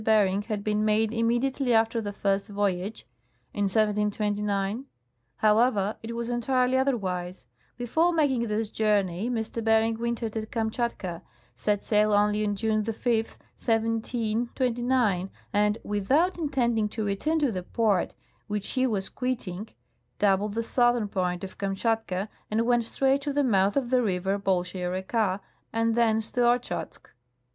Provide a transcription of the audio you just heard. Bering had been made immediately after the first voyage [in 1729] ? However, it was entirely otherwise : Before making this journey M. Ber ing wintered at Kamtschatka, set sail only on June 5, 1729, and, vnthout intending to return to the port lohich he was quitting, doubled the southern point of Kamtschatka and went straight to the mouth of the river Bol schaia Reka and thence to Ochozk."